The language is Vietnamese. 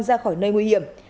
ra khỏi nơi nguy hiểm